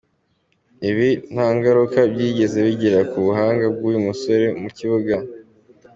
Ibi ntangaruka byigeze bigira ku buhanga bw’uyu musore mu kibuga.